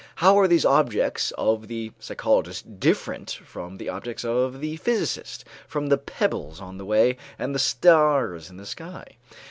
How are these objects of the psychologist different from the objects of the physicist, from the pebbles on the way and the stars in the sky?